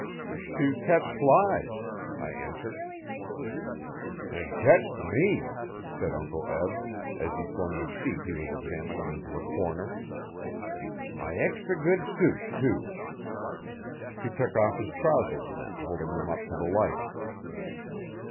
'To catch flies,' I answered. 'An' ketched me,' said Uncle Eb, as he flung the sheet he was examining into a corner. 'My extry good suit' too!' He took off his trousers, then, holding them up to the light.